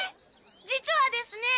実はですね